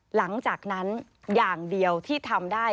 หลังจากนั้นอย่างเดียวที่ทำได้